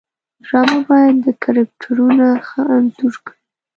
ډرامه باید کرکټرونه ښه انځور کړي